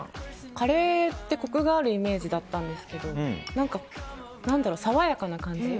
カレーってコクがあるイメージだったんですけど爽やかな感じ？